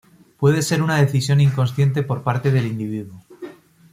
Puede ser una decisión inconsciente por parte del individuo.